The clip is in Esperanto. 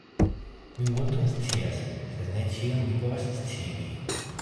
Mi multon scias, sed ne ĉion mi povas sciigi.